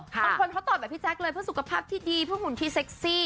บางคนเขาตอบแบบพี่แจ๊คเลยเพื่อสุขภาพที่ดีเพื่อหุ่นที่เซ็กซี่